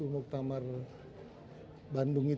jadi saya sudah berpunca